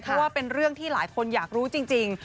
เพราะว่าเป็นเรื่องที่หลายคนอยากรู้จริง